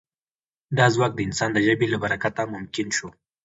دا ځواک د انسان د ژبې له برکته ممکن شو.